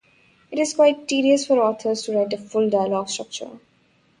It is quite tedious for authors to write a full dialog structure.